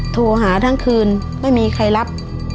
โทรหาทั้งคืนไม่มีใครรับ